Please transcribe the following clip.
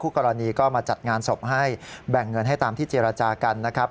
กรณีก็มาจัดงานศพให้แบ่งเงินให้ตามที่เจรจากันนะครับ